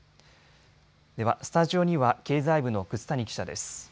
ではスタジオには経済部の楠谷記者です。